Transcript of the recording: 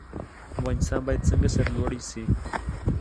افغانستان باید څنګه سرلوړی شي؟